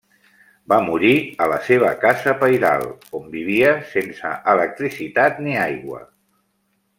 Va morir a la seva casa pairal, on vivia sense electricitat ni aigua.